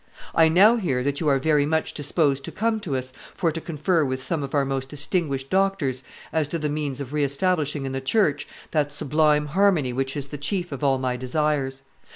I now hear that you are very much disposed to come to us for to confer with some of our most distinguished doctors as to the means of re establishing in the church that sublime harmony which is the chief of all my desires.